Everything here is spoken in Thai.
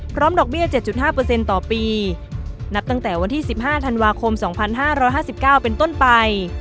พร้อมดอกเบี้ยเจ็ดจุดห้าเปอร์เซ็นต์ต่อปีนับตั้งแต่วันที่สิบห้าธันวาคมสองพันห้าร้อยห้าสิบเก้าเป็นต้นไป